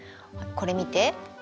これ見て。